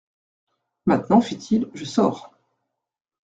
Maintenant, fit-il, je sors.